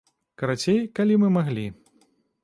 Карацей, калі мы маглі.